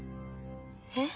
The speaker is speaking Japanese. えっ？